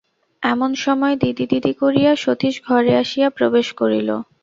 এমন সময় দিদি দিদি করিয়া সতীশ ঘরে আসিয়া প্রবেশ করিল।